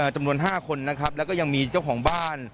จำนวน๕คนนะครับแล้วก็ยังมีเจ้าของบ้าน